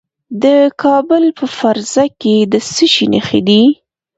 د کابل په فرزه کې د څه شي نښې دي؟